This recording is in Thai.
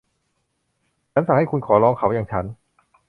ฉันสั่งให้คุณขอร้องเขาอย่างฉัน